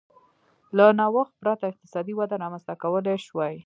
له نوښت پرته اقتصادي وده رامنځته کولای شوای